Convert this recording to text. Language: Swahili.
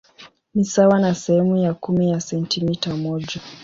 Ni sawa na sehemu ya kumi ya sentimita moja.